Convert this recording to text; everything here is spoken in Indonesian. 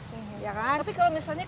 tapi kalau misalnya kebanyakan laki laki